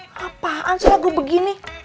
he apaan sih lagu begini